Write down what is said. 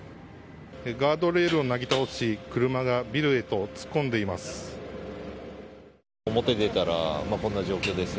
ガードレールをなぎ倒し車がビルへと突っ込んでいます。